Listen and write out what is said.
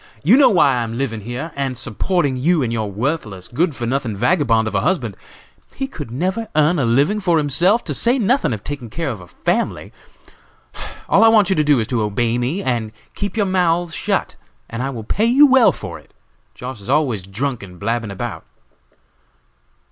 You know why I am living here, and supporting you and your worthless, good for nothing vagabond of a husband. He could never earn a living for himself, to say nothing of taking care of a family. All I want you to do is to obey me and keep your mouths shut, and I will pay you well for it; Josh. is always drunk and blabbing about."